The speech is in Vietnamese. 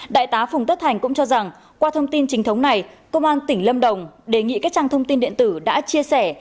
đại tá phùng tất thành cũng cho rằng qua thông tin chính thống này công an tỉnh lâm đồng đề nghị các trang thông tin điện tử đã chia sẻ